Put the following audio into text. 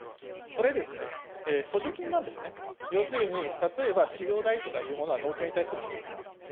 これですね、補助金なんですね、要するに例えば飼料代とかいうものは、農協に対する補助金です。